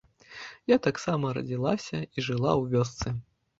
Я таксама радзілася і жыла ў вёсцы.